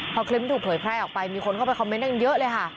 พอคลิปถูกเผยแพร่ออกไปมีคนเข้าไปทดลองอย่างเยอะเลยค่ะ